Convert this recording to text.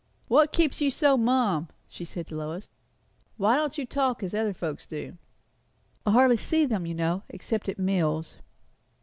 "What keeps you so mum?" she said to Lois. "Why don't you talk, as other folks do?" "I hardly see them, you know, except at meals."